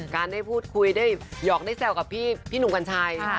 การได้พูดคุยได้หยอกได้แซวกับพี่หนุ่มกัญชัย